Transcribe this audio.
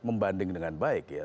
membanding dengan baik ya